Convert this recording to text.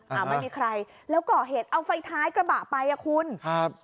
อ่าไม่มีใครแล้วก่อเหตุเอาไฟท้ายกระบะไปอ่ะคุณครับ